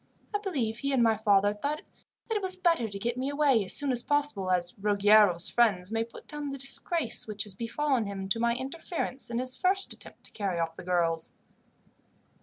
I believe he and my father thought that it was better to get me away as soon as possible, as Ruggiero's friends may put down the disgrace which has befallen him to my interference in his first attempt to carry off the girls."